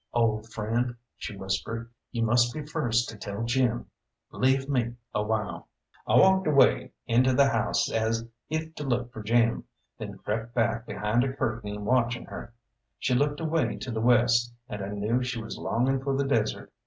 "Old friend," she whispered, "you must be first to tell Jim. Leave me awhile." I walked away into the house as if to look for Jim, then crept back behind a curtain watching her. She looked away to the west, and I knew she was longing for the desert.